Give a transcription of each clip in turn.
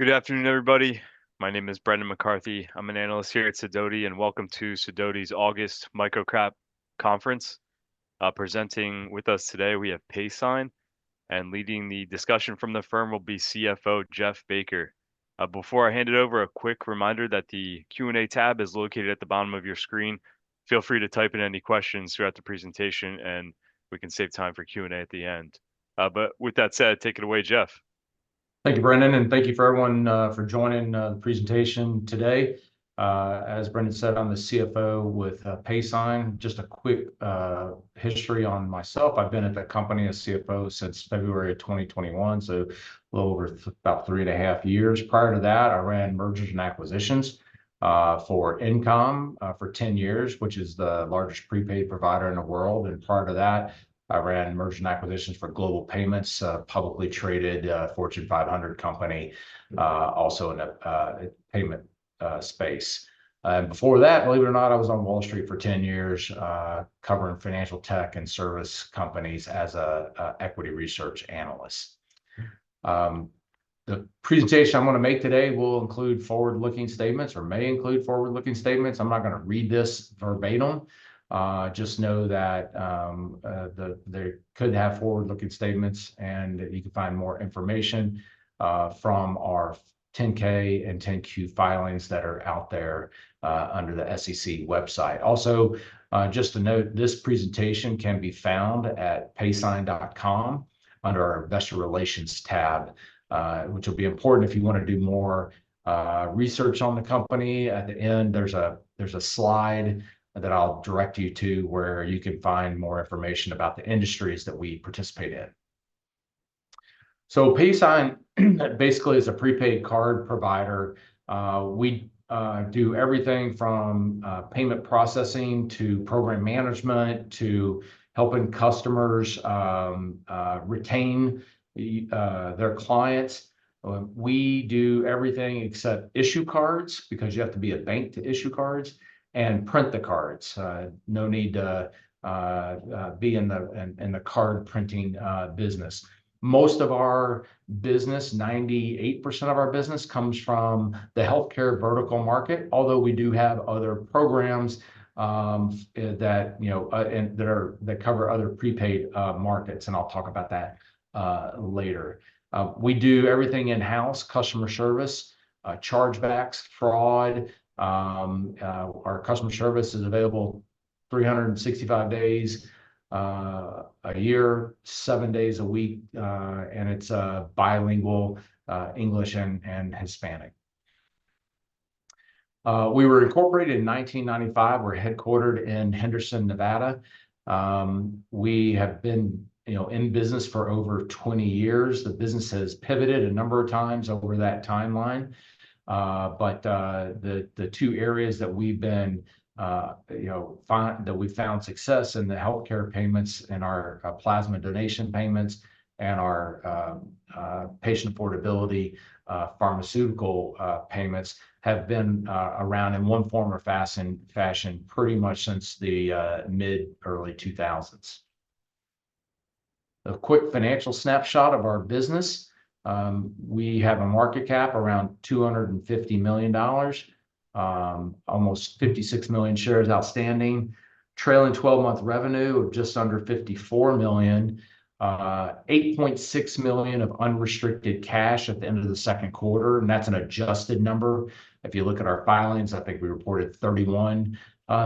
Good afternoon, everybody. My name is Brennan McCarthy. I'm an analyst here at Sidoti, and welcome to Sidoti's August MicroCap Conference. Presenting with us today, we have Paysign, and leading the discussion from the firm will be CFO Jeff Baker. Before I hand it over, a quick reminder that the Q&A tab is located at the bottom of your screen. Feel free to type in any questions throughout the presentation, and we can save time for Q&A at the end. But with that said, take it away, Jeff. Thank you, Brennan, and thank you, everyone, for joining the presentation today. As Brennan said, I'm the CFO with Paysign. Just a quick history on myself. I've been at the company as CFO since February of 2021, so a little over about three and a half years. Prior to that, I ran mergers and acquisitions for InComm for 10 years, which is the largest prepaid provider in the world. And prior to that, I ran mergers and acquisitions for Global Payments, a publicly traded Fortune 500 company, also in a payment space. And before that, believe it or not, I was on Wall Street for 10 years covering financial tech and service companies as an equity research analyst. The presentation I'm gonna make today will include forward-looking statements, or may include forward-looking statements. I'm not gonna read this verbatim. Just know that that there could have forward-looking statements, and you can find more information from our 10-K and 10-Q filings that are out there under the SEC website. Also just to note, this presentation can be found at paysign.com, under our Investor Relations tab, which will be important if you wanna do more research on the company. At the end, there's a slide that I'll direct you to, where you can find more information about the industries that we participate in. So Paysign basically is a prepaid card provider. We do everything from payment processing, to program management, to helping customers retain their clients. We do everything except issue cards, because you have to be a bank to issue cards, and print the cards. No need to be in the card printing business. Most of our business, 98% of our business, comes from the healthcare vertical market, although we do have other programs that you know and that are that cover other prepaid markets, and I'll talk about that later. We do everything in-house, customer service, chargebacks, fraud. Our customer service is available 365 days a year, seven days a week, and it's bilingual, English and Hispanic. We were incorporated in 1995. We're headquartered in Henderson, Nevada. We have been, you know, in business for over 20 years. The business has pivoted a number of times over that timeline. But, the two areas that we've been, you know, that we've found success in the healthcare payments and our plasma donation payments and our patient affordability pharmaceutical payments, have been around in one form or fashion pretty much since the mid-early 2000s. A quick financial snapshot of our business. We have a market cap around $250 million, almost 56 million shares outstanding, trailing 12-month revenue of just under $54 million, $8.6 million of unrestricted cash at the end of the second quarter, and that's an adjusted number. If you look at our filings, I think we reported $31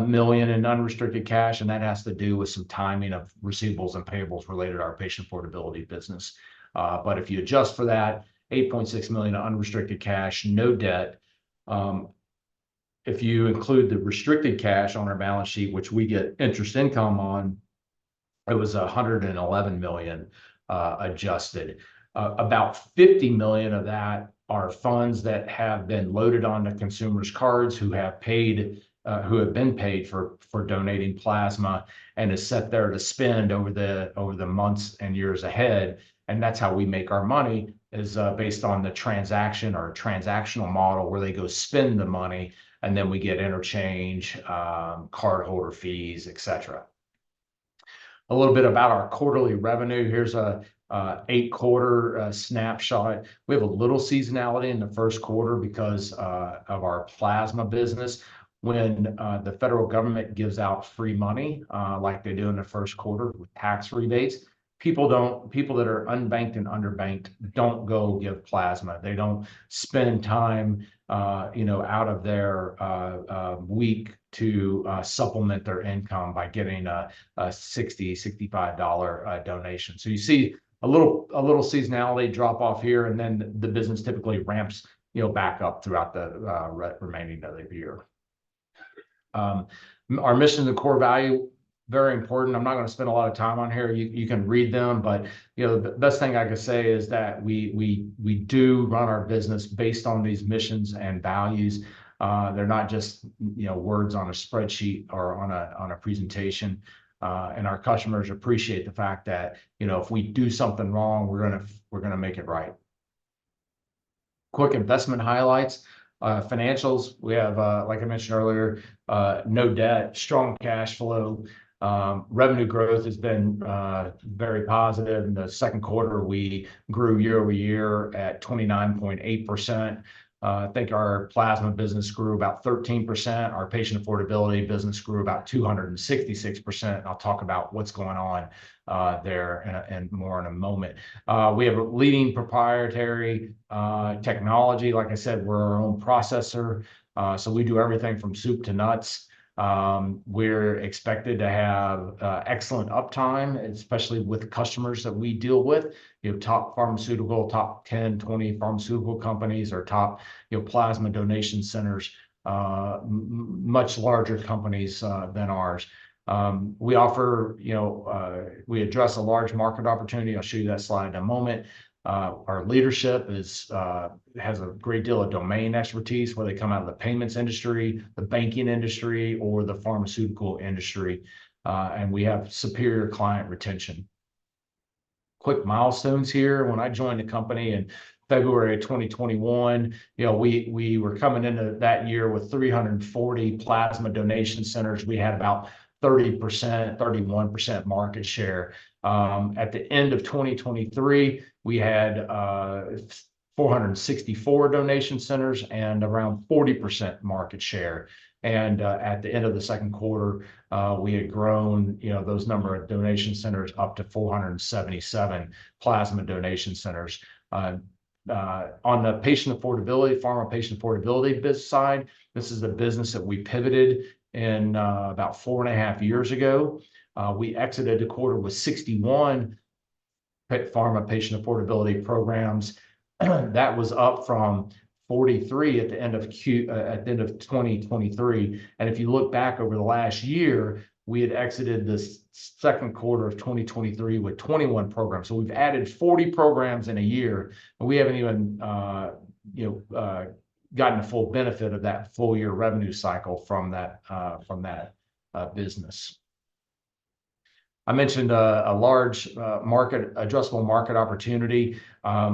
million in unrestricted cash, and that has to do with some timing of receivables and payables related to our patient affordability business. But if you adjust for that, $8.6 million unrestricted cash, no debt. If you include the restricted cash on our balance sheet, which we get interest income on, it was $111 million, adjusted. About $50 million of that are funds that have been loaded onto consumers' cards who have paid, who have been paid for donating plasma, and is set there to spend over the months and years ahead. That's how we make our money, is based on the transaction or transactional model, where they go spend the money, and then we get interchange, cardholder fees, et cetera. A little bit about our quarterly revenue. Here's a 8-quarter snapshot. We have a little seasonality in the first quarter because of our plasma business. When the federal government gives out free money, like they do in the first quarter with tax rebates, people that are unbanked and underbanked don't go give plasma. They don't spend time, you know, out of their week to supplement their income by giving a $65 donation. So you see a little seasonality drop off here, and then the business typically ramps, you know, back up throughout the remaining of the year. Our mission and core value, very important. I'm not gonna spend a lot of time on here. You can read them, but you know, the best thing I could say is that we do run our business based on these missions and values. They're not just, you know, words on a spreadsheet or on a presentation. And our customers appreciate the fact that, you know, if we do something wrong, we're gonna make it right. Quick investment highlights. Financials, we have, like I mentioned earlier, no debt, strong cash flow. Revenue growth has been very positive. In the second quarter, we grew year-over-year at 29.8%. I think our plasma business grew about 13%. Our patient affordability business grew about 266%, and I'll talk about what's going on there, and more in a moment. We have a leading proprietary technology. Like I said, we're our own processor, so we do everything from soup to nuts. We're expected to have excellent uptime, especially with customers that we deal with. You know, top pharmaceutical, top 10, 20 pharmaceutical companies, or top, you know, plasma donation centers. Much larger companies than ours. We offer, you know, we address a large market opportunity. I'll show you that slide in a moment. Our leadership has a great deal of domain expertise, whether they come out of the payments industry, the banking industry, or the pharmaceutical industry, and we have superior client retention. Quick milestones here. When I joined the company in February of 2021, you know, we were coming into that year with 340 plasma donation centers. We had about 30%, 31% market share. At the end of 2023, we had 464 donation centers and around 40% market share. At the end of the second quarter, we had grown, you know, those number of donation centers up to 477 plasma donation centers. On the patient affordability, pharma patient affordability biz side, this is the business that we pivoted in about 4.5 years ago. We exited the quarter with 61 pharma patient affordability programs. That was up from 43 at the end of 2023. If you look back over the last year, we had exited the second quarter of 2023 with 21 programs. So we've added 40 programs in a year, and we haven't even, you know, gotten the full benefit of that full year revenue cycle from that business. I mentioned a large addressable market opportunity.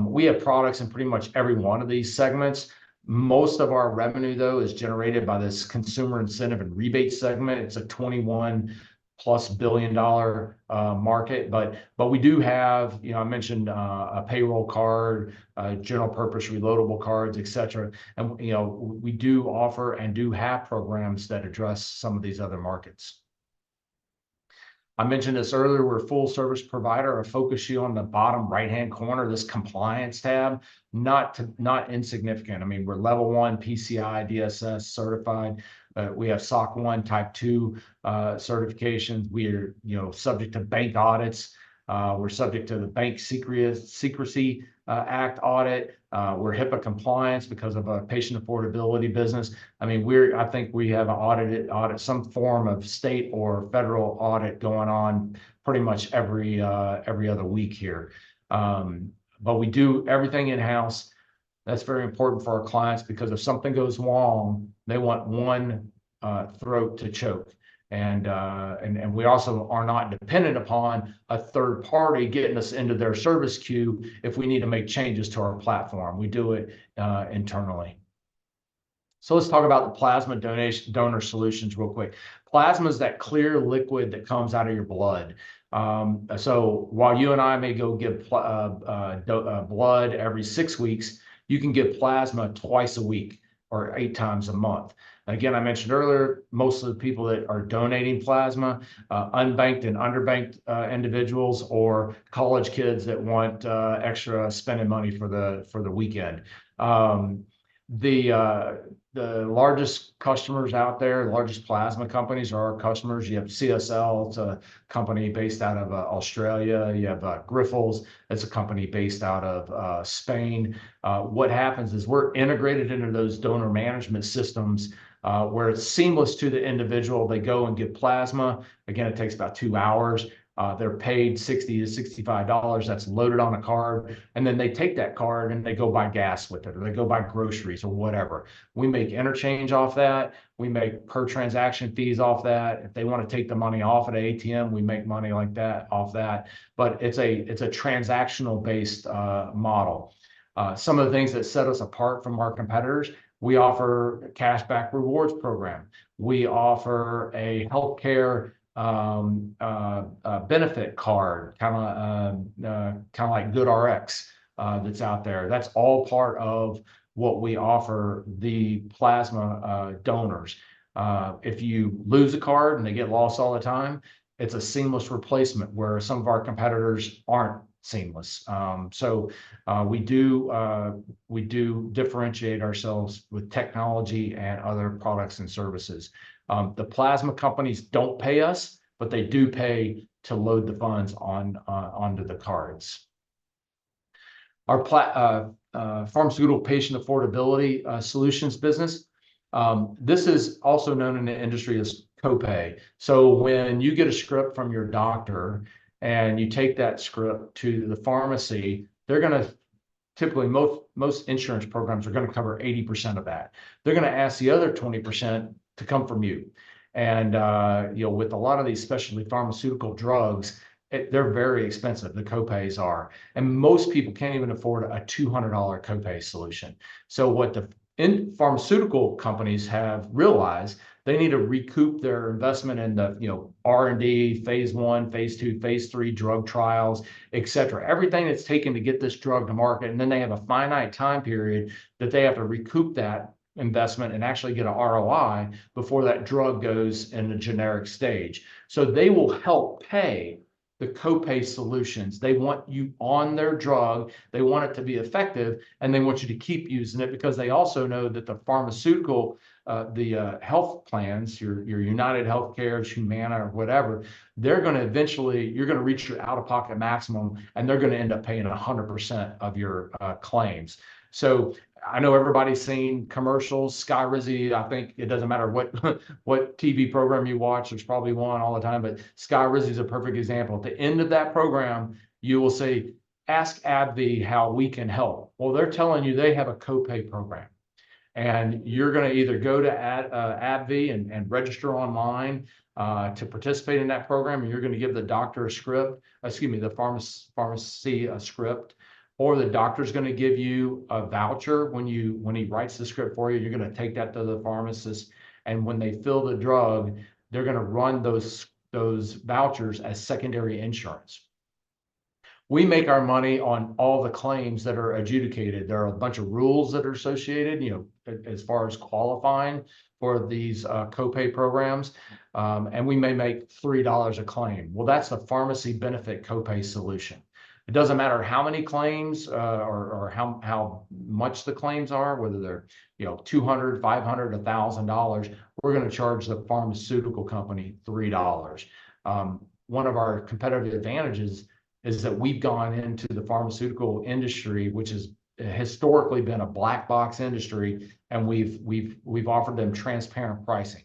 We have products in pretty much every one of these segments. Most of our revenue, though, is generated by this consumer incentive and rebate segment. It's a $21+ billion market. But we do have, you know, I mentioned a payroll card, general purpose reloadable cards, et cetera. And, you know, we do offer and do have programs that address some of these other markets. I mentioned this earlier, we're a full service provider. I focus you on the bottom right-hand corner, this compliance tab. Not insignificant. I mean, we're level one PCI DSS certified. We have SOC 1 Type 2 certifications. We're, you know, subject to bank audits. We're subject to the Bank Secrecy Act audit. We're HIPAA compliant because of our patient affordability business. I mean, we're... I think we have an audited audit, some form of state or federal audit going on pretty much every other week here. But we do everything in-house. That's very important for our clients because if something goes wrong, they want one throat to choke. And we also are not dependent upon a third party getting us into their service queue if we need to make changes to our platform. We do it internally. So let's talk about the plasma donation, donor solutions real quick. Plasma is that clear liquid that comes out of your blood. So while you and I may go give blood every six weeks, you can give plasma twice a week or eight times a month. Again, I mentioned earlier, most of the people that are donating plasma are unbanked and underbanked individuals or college kids that want extra spending money for the weekend. The largest customers out there, the largest plasma companies are our customers. You have CSL. It's a company based out of Australia. You have Grifols. That's a company based out of Spain. What happens is we're integrated into those donor management systems, where it's seamless to the individual. They go and give plasma. Again, it takes about two hours. They're paid $60-$65. That's loaded on a card, and then they take that card, and they go buy gas with it, or they go buy groceries, or whatever. We make interchange off that. We make per transaction fees off that. If they wanna take the money off at an ATM, we make money like that, off that. But it's a, it's a transactional-based model. Some of the things that set us apart from our competitors, we offer a cashback rewards program. We offer a healthcare, a benefit card, kinda, kinda like GoodRx, that's out there. That's all part of what we offer the plasma donors. If you lose a card, and they get lost all the time, it's a seamless replacement, where some of our competitors aren't seamless. So, we do, we do differentiate ourselves with technology and other products and services. The plasma companies don't pay us, but they do pay to load the funds on, onto the cards. Our pharmaceutical patient affordability solutions business, this is also known in the industry as copay. So when you get a script from your doctor, and you take that script to the pharmacy, typically, most, most insurance programs are gonna cover 80% of that. They're gonna ask the other 20% to come from you, and, you know, with a lot of these specialty pharmaceutical drugs, they're very expensive, the copays are, and most people can't even afford a $200 copay solution. So what the pharmaceutical companies have realized, they need to recoup their investment in the, you know, R&D, phase I, phase II, phase III drug trials, et cetera. Everything it's taking to get this drug to market, and then they have a finite time period that they have to recoup that investment and actually get an ROI before that drug goes in the generic stage. So they will help pay the copay solutions. They want you on their drug, they want it to be effective, and they want you to keep using it, because they also know that the pharmaceutical, the health plans, your, your UnitedHealthcare, Humana, or whatever, they're gonna eventually- you're gonna reach your out-of-pocket maximum, and they're gonna end up paying 100% of your claims. So I know everybody's seen commercials, Skyrizi. I think it doesn't matter what TV program you watch, there's probably one on all the time, but Skyrizi is a perfect example. At the end of that program, you will see, "Ask AbbVie how we can help." Well, they're telling you they have a copay program, and you're gonna either go to AbbVie and register online to participate in that program, and you're gonna give the doctor a script. Excuse me, the pharmacy a script, or the doctor's gonna give you a voucher when he writes the script for you. You're gonna take that to the pharmacist, and when they fill the drug, they're gonna run those vouchers as secondary insurance. We make our money on all the claims that are adjudicated. There are a bunch of rules that are associated, you know, as far as qualifying for these, copay programs, and we may make $3 a claim. Well, that's a pharmacy benefit copay solution. It doesn't matter how many claims, or how much the claims are, whether they're, you know, $200, $500, $1,000, we're gonna charge the pharmaceutical company $3. One of our competitive advantages is that we've gone into the pharmaceutical industry, which has, historically been a black box industry, and we've offered them transparent pricing.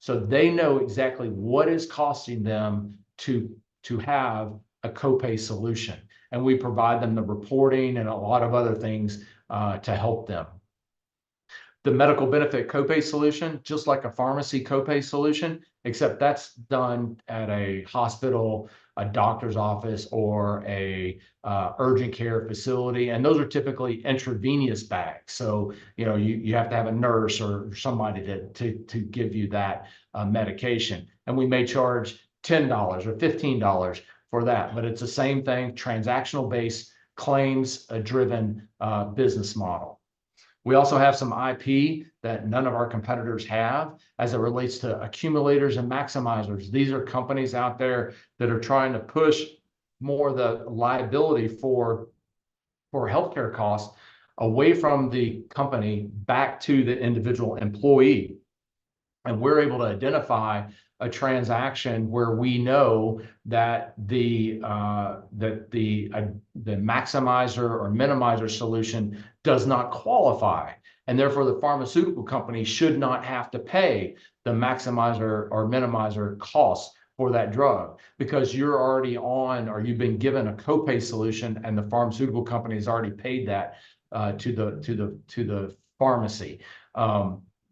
So they know exactly what is costing them to have a copay solution, and we provide them the reporting and a lot of other things, to help them. The medical benefit copay solution, just like a pharmacy copay solution, except that's done at a hospital, a doctor's office, or a urgent care facility, and those are typically intravenous bags. So, you know, you have to have a nurse or somebody to give you that, medication, and we may charge $10 or $15 for that. But it's the same thing, transactional-based, claims-driven, business model. We also have some IP that none of our competitors have as it relates to accumulators and maximizers. These are companies out there that are trying to push more the liability for healthcare costs away from the company back to the individual employee, and we're able to identify a transaction where we know that the maximizer or minimizer solution does not qualify, and therefore, the pharmaceutical company should not have to pay the maximizer or minimizer cost for that drug. Because you're already on, or you've been given a copay solution, and the pharmaceutical company's already paid that to the pharmacy.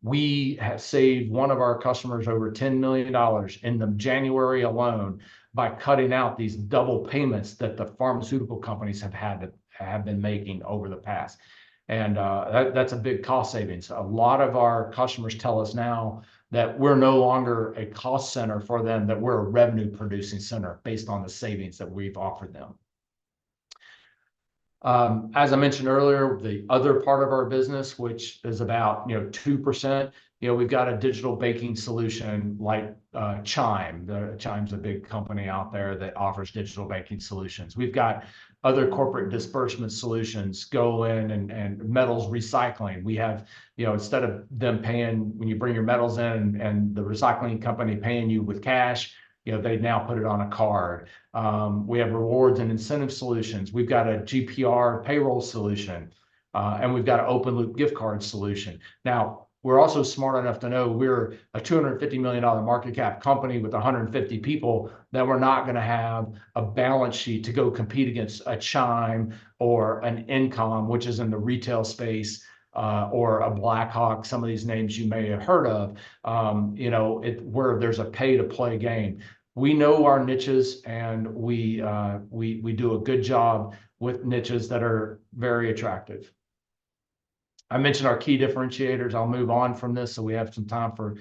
We have saved one of our customers over $10 million in January alone by cutting out these double payments that the pharmaceutical companies have been making over the past, and that's a big cost savings. A lot of our customers tell us now that we're no longer a cost center for them, that we're a revenue-producing center, based on the savings that we've offered them. As I mentioned earlier, the other part of our business, which is about, you know, 2%, you know, we've got a digital banking solution, like, Chime. Chime's a big company out there that offers digital banking solutions. We've got other corporate disbursement solutions, go in, and metals recycling. We have, you know, instead of them paying, when you bring your metals in, and the recycling company paying you with cash, you know, they now put it on a card. We have rewards and incentive solutions. We've got a GPR payroll solution, and we've got an open loop gift card solution. Now, we're also smart enough to know we're a $250 million market cap company with 150 people, that we're not gonna have a balance sheet to go compete against a Chime or an InComm, which is in the retail space, or a Blackhawk, some of these names you may have heard of. You know, where there's a pay-to-play game. We know our niches, and we, we do a good job with niches that are very attractive. I mentioned our key differentiators. I'll move on from this so we have some time for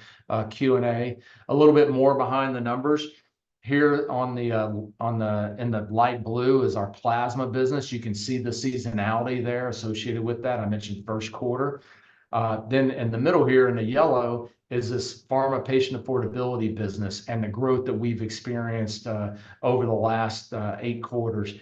Q&A. A little bit more behind the numbers. Here on the, on the- in the light blue is our plasma business. You can see the seasonality there associated with that. I mentioned first quarter. Then in the middle here, in the yellow, is this pharma patient affordability business and the growth that we've experienced over the last eight quarters.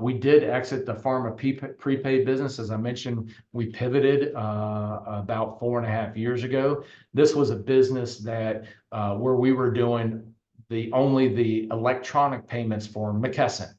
We did exit the pharma prepaid business. As I mentioned, we pivoted about four and a half years ago. This was a business that, where we were doing the only electronic payments for McKesson.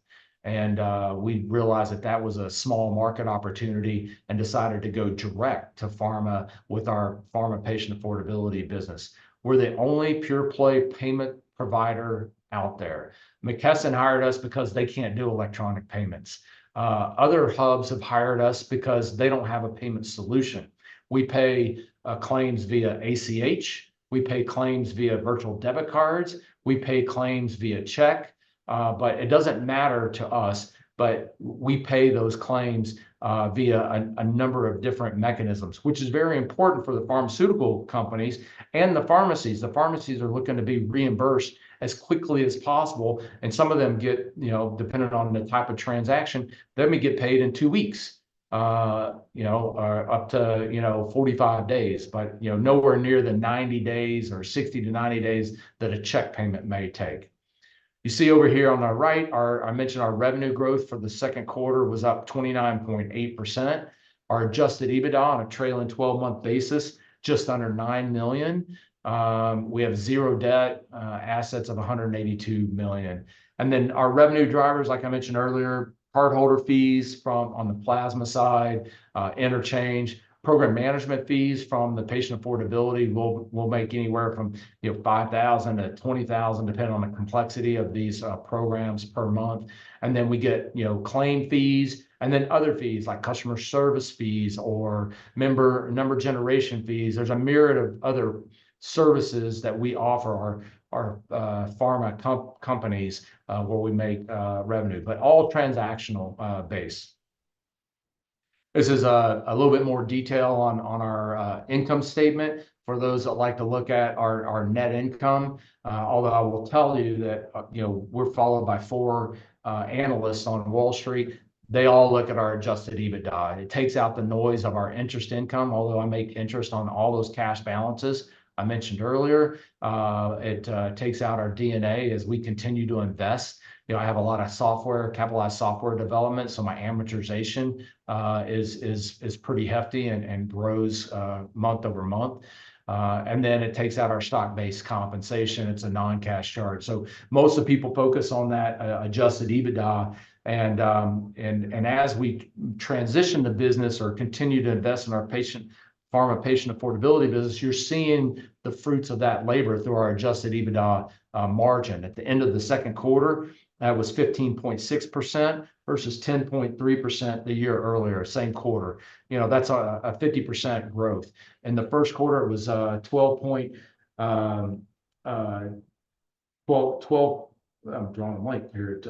We realized that that was a small market opportunity, and decided to go direct to pharma with our pharma patient affordability business. We're the only pure-play payment provider out there. McKesson hired us because they can't do electronic payments. Other hubs have hired us because they don't have a payment solution. We pay claims via ACH, we pay claims via virtual debit cards, we pay claims via check, but it doesn't matter to us, but we pay those claims via a number of different mechanisms, which is very important for the pharmaceutical companies and the pharmacies. The pharmacies are looking to be reimbursed as quickly as possible, and some of them get, you know, dependent on the type of transaction, they may get paid in two weeks, you know, or up to, you know, 45 days. But, you know, nowhere near the 90 days or 60-90 days that a check payment may take. You see over here on the right, our... I mentioned our revenue growth for the second quarter was up 29.8%. Our Adjusted EBITDA on a trailing 12-month basis, just under $9 million. We have zero debt, assets of $182 million. And then our revenue drivers, like I mentioned earlier, cardholder fees from on the plasma side, interchange, program management fees from the patient affordability will make anywhere from, you know, $5,000-$20,000, depending on the complexity of these programs per month. And then we get, you know, claim fees, and then other fees, like customer service fees or member number generation fees. There's a myriad of other services that we offer our pharma companies, where we make revenue, but all transactional base. This is a little bit more detail on our income statement for those that like to look at our net income. Although I will tell you that, you know, we're followed by four analysts on Wall Street, they all look at our Adjusted EBITDA, and it takes out the noise of our interest income, although I make interest on all those cash balances I mentioned earlier. It takes out our D&A as we continue to invest. You know, I have a lot of software, capitalized software development, so my amortization is pretty hefty and grows month-over-month. And then it takes out our stock-based compensation. It's a non-cash charge. So most of the people focus on that Adjusted EBITDA. And as we transition the business or continue to invest in our patient-pharma patient affordability business, you're seeing the fruits of that labor through our Adjusted EBITDA margin. At the end of the second quarter, that was 15.6% versus 10.3% the year earlier, same quarter. You know, that's a 50% growth. In the first quarter, it was twelve point, drawing a blank here.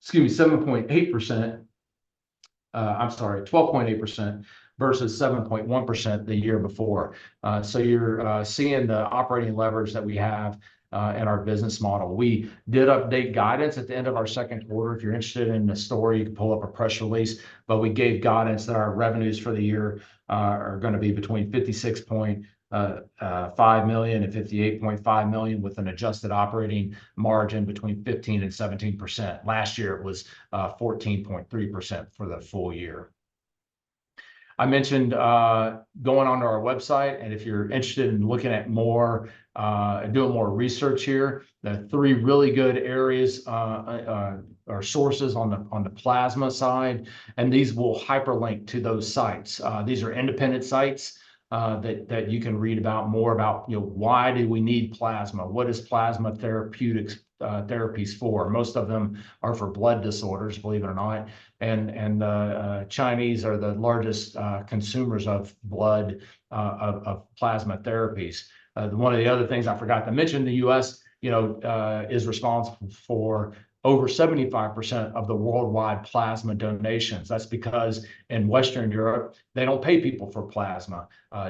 Excuse me, seven point eight percent. I'm sorry, 12.8% versus 7.1% the year before. So you're seeing the operating leverage that we have in our business model. We did update guidance at the end of our second quarter. If you're interested in the story, you can pull up a press release, but we gave guidance that our revenues for the year are gonna be between $56.5 million and $58.5 million, with an adjusted operating margin between 15% and 17%. Last year it was 14.3% for the full year. I mentioned going onto our website, and if you're interested in looking at more, doing more research here, the three really good areas are sources on the plasma side, and these will hyperlink to those sites. These are independent sites that you can read about, more about, you know, why do we need plasma? What is plasma therapeutics, therapies for? Most of them are for blood disorders, believe it or not, and Chinese are the largest consumers of blood, of plasma therapies. One of the other things I forgot to mention, the U.S., you know, is responsible for over 75% of the worldwide plasma donations. That's because in Western Europe, they don't pay people for plasma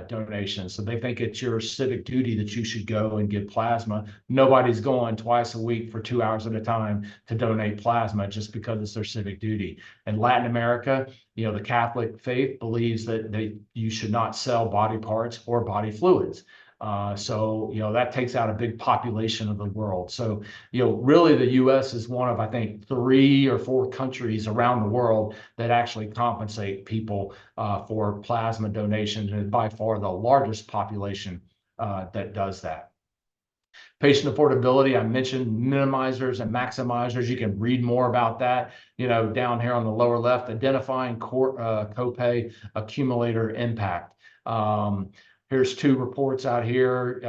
donations, so they think it's your civic duty that you should go and give plasma. Nobody's going twice a week for two hours at a time to donate plasma just because it's their civic duty. In Latin America, you know, the Catholic faith believes that you should not sell body parts or body fluids. So you know, that takes out a big population of the world. So, you know, really the U.S. is one of, I think, three or four countries around the world that actually compensate people for plasma donations, and by far the largest population that does that. Patient affordability, I mentioned minimizers and maximizers. You can read more about that, you know, down here on the lower left, identifying copay accumulator impact. Here's two reports out here,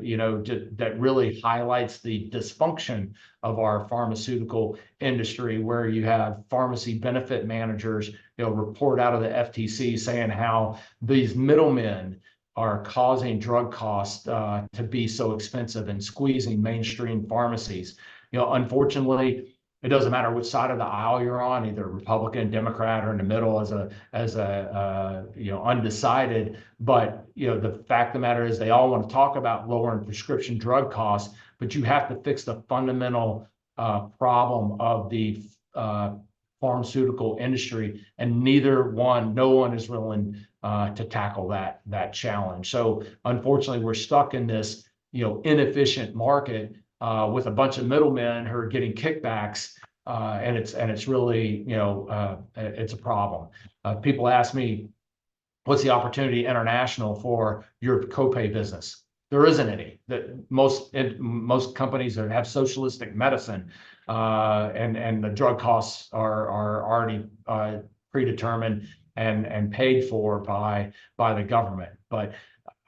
you know, that really highlights the dysfunction of our pharmaceutical industry, where you have pharmacy benefit managers. They'll report out of the FTC saying how these middlemen are causing drug costs to be so expensive and squeezing mainstream pharmacies. You know, unfortunately, it doesn't matter which side of the aisle you're on, either Republican, Democrat, or in the middle as a you know, undecided, but, you know, the fact of the matter is, they all want to talk about lowering prescription drug costs, but you have to fix the fundamental problem of the pharmaceutical industry, and neither one, no one is willing to tackle that challenge. So unfortunately, we're stuck in this, you know, inefficient market with a bunch of middlemen who are getting kickbacks, and it's really, you know, it's a problem. People ask me. What's the opportunity international for your co-pay business? There isn't any. Most companies that have socialistic medicine, and the drug costs are already predetermined and paid for by the government. But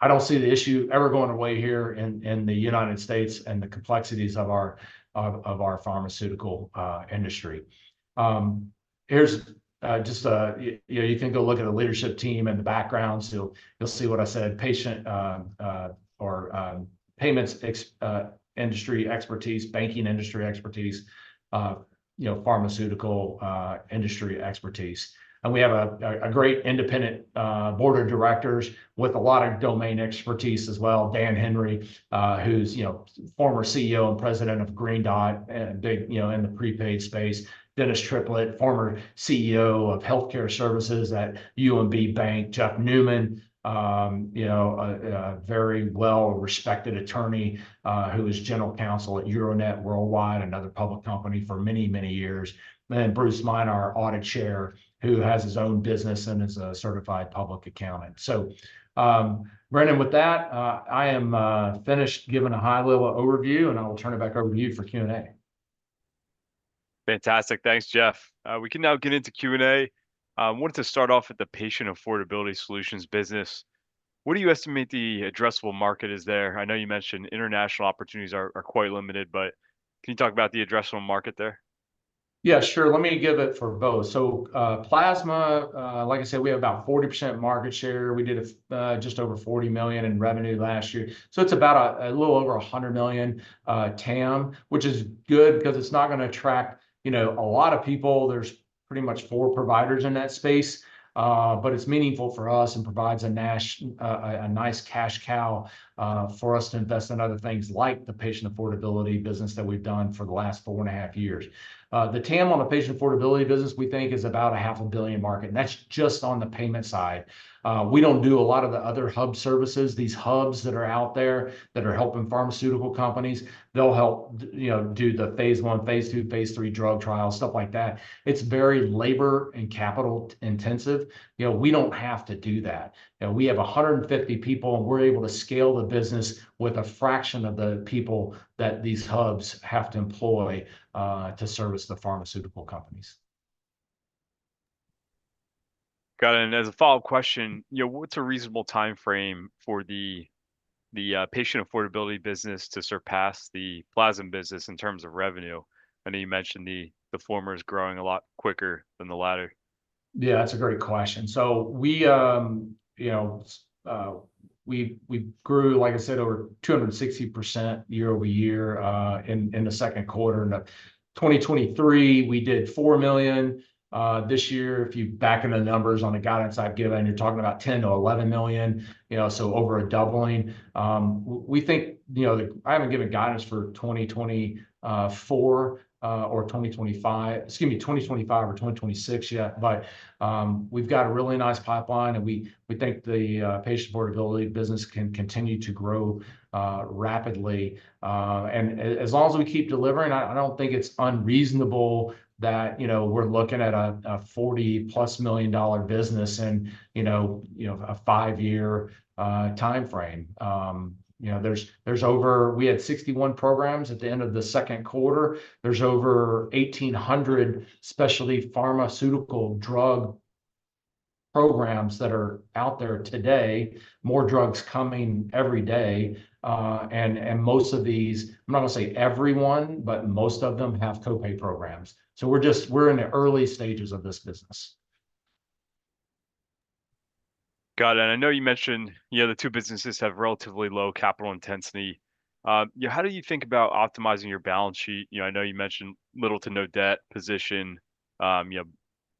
I don't see the issue ever going away here in the United States, and the complexities of our pharmaceutical industry. Here's just you know, you can go look at the leadership team and the backgrounds. You'll see what I said, patient payments industry expertise, banking industry expertise, you know, pharmaceutical industry expertise. And we have a great independent board of directors with a lot of domain expertise as well. Dan Henry, who's you know, former CEO and president of Green Dot, and big you know, in the prepaid space. Dennis Triplett, former CEO of Healthcare Services at UMB Bank. Jeff Newman, you know, a very well-respected attorney, who was general counsel at Euronet Worldwide, another public company, for many years. And then Bruce Mina, our Audit Chair, who has his own business and is a certified public accountant. So, Brennan, with that, I am finished giving a high-level overview, and I will turn it back over to you for Q&A. Fantastic. Thanks, Jeff. We can now get into Q&A. I wanted to start off with the patient affordability solutions business. What do you estimate the addressable market is there? I know you mentioned international opportunities are quite limited, but can you talk about the addressable market there? Yeah, sure. Let me give it for both. So, plasma, like I said, we have about 40% market share. We did just over $40 million in revenue last year, so it's about a little over $100 million TAM, which is good because it's not gonna attract, you know, a lot of people. There's pretty much four providers in that space, but it's meaningful for us and provides a nice cash cow for us to invest in other things, like the patient affordability business that we've done for the last four and a half years. The TAM on the patient affordability business, we think is about $500 million market, and that's just on the payment side. We don't do a lot of the other hub services. These hubs that are out there that are helping pharmaceutical companies, they'll help you know, do the phase I, phase II, phase III drug trials, stuff like that. It's very labor and capital intensive. You know, we don't have to do that. You know, we have 150 people, and we're able to scale the business with a fraction of the people that these hubs have to employ to service the pharmaceutical companies. Got it, and as a follow-up question, you know, what's a reasonable timeframe for the patient affordability business to surpass the plasma business in terms of revenue? I know you mentioned the former is growing a lot quicker than the latter. Yeah, that's a great question. So we, you know, we grew, like I said, over 260% year-over-year in the second quarter. In 2023, we did $4 million. This year, if you back in the numbers on the guidance I've given, you're talking about $10 million-$11 million, you know, so over a doubling. We think, you know, I haven't given guidance for 2024 or 2025 or 2026 yet, but we've got a really nice pipeline, and we think the patient affordability business can continue to grow rapidly. And as long as we keep delivering, I don't think it's unreasonable that, you know, we're looking at a $40+ million business in, you know, a five-year timeframe. You know, we had 61 programs at the end of the second quarter. There's over 1,800 specialty pharmaceutical drug programs that are out there today, more drugs coming every day, and most of them, I'm not gonna say every one, but most of them have co-pay programs. So we're in the early stages of this business. Got it, and I know you mentioned, you know, the two businesses have relatively low capital intensity. You know, how do you think about optimizing your balance sheet? You know, I know you mentioned little to no debt position, you know,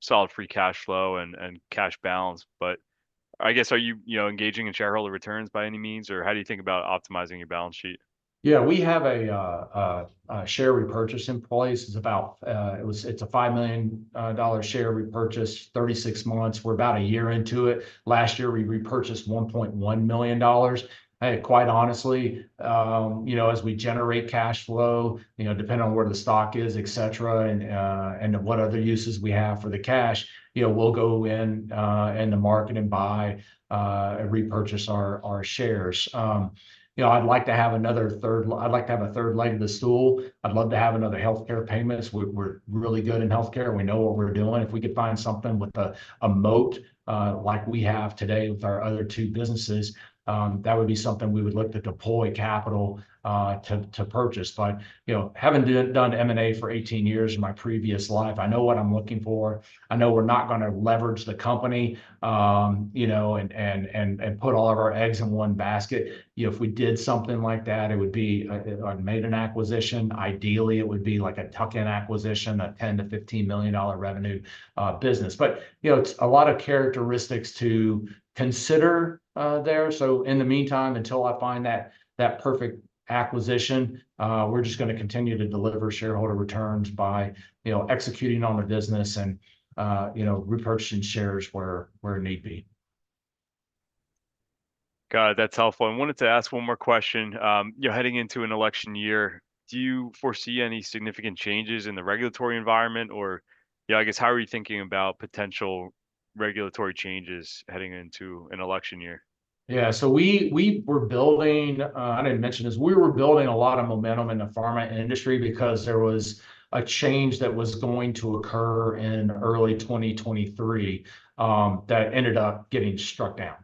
solid free cash flow and cash balance, but I guess, are you, you know, engaging in shareholder returns by any means, or how do you think about optimizing your balance sheet? Yeah, we have a share repurchase in place. It's about, it was—it's a $5 million share repurchase, 36 months. We're about a year into it. Last year, we repurchased $1.1 million. And quite honestly, you know, as we generate cash flow, you know, depending on where the stock is, et cetera, and, and what other uses we have for the cash, you know, we'll go in, in the market and buy, and repurchase our, our shares. You know, I'd like to have another third l—I'd like to have a third leg of the stool. I'd love to have another healthcare payments. We're, we're really good in healthcare, and we know what we're doing. If we could find something with a moat, like we have today with our other two businesses, that would be something we would look to deploy capital to purchase. But, you know, having done M&A for 18 years in my previous life, I know what I'm looking for. I know we're not gonna leverage the company, you know, and put all of our eggs in one basket. You know, if we did something like that, it would be or made an acquisition, ideally, it would be like a tuck-in acquisition, a $10-$15 million revenue business. But, you know, it's a lot of characteristics to consider, there. So in the meantime, until I find that, that perfect acquisition, we're just gonna continue to deliver shareholder returns by, you know, executing on the business and, you know, repurchasing shares where, where need be. Got it. That's helpful. I wanted to ask one more question. You're heading into an election year, do you foresee any significant changes in the regulatory environment? Or, yeah, I guess, how are you thinking about potential regulatory changes heading into an election year? Yeah, so we, we were building. I didn't mention this. We were building a lot of momentum in the pharma industry because there was a change that was going to occur in early 2023 that ended up getting struck down.